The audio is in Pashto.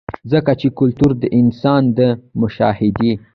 ځکه چې کلتور د انسان د مشاهدې